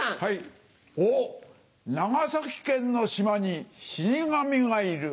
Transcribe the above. おっ長崎県の島に死神がいる。